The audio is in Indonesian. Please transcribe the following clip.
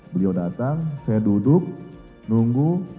beliau datang saya duduk nunggu